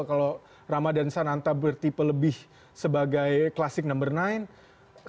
kalau ramadan sananta bertipe lebih sebagai klasik number nine